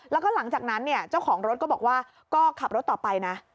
แล้วก็หลังจากนั้นเนี่ยเจ้าของรถก็บอกว่าก็ขับรถต่อไปนะ